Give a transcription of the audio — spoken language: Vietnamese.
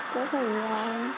có thể là